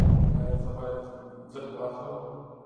ایا زه باید ځمکه واخلم؟